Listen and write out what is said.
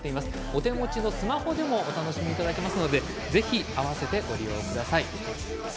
お手持ちのスマホなどでもお楽しみいただけますのでぜひ併せてご利用ください。